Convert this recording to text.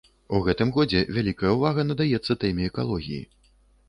У гэтым годзе вялікая ўвага надаецца тэме экалогіі.